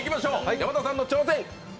山田さんの挑戦。